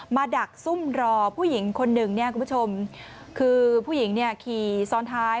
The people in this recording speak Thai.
มาดักทรุ่มรอผู้หญิงคนหนึ่งคือผู้หญิงขี่ซ้อนท้าย